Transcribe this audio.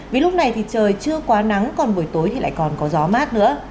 vì lúc này thì trời chưa quá nắng còn buổi tối thì lại còn có gió mát nữa